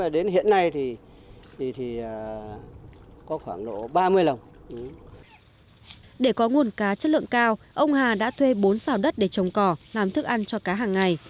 để có nguồn cá chất lượng cao ông hà đã thuê bốn xào đất để trồng cỏ làm thức ăn cho cá hàng ngày